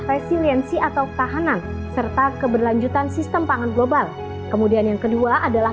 resiliensi atau ketahanan serta keberlanjutan sistem pangan global kemudian yang kedua adalah